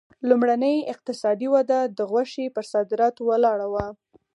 لومړنۍ اقتصادي وده د غوښې پر صادراتو ولاړه وه.